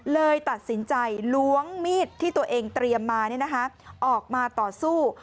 เลยตัดสินใจล้วงมีดที่ตัวเองเตรียมมาออกมาต่อสู้